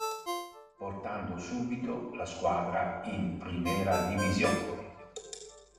Portando subito la squadra in Primera División.